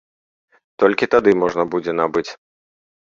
Толькі тады можна будзе набыць.